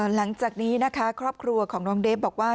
หลังจากนี้นะคะครอบครัวของน้องเดฟบอกว่า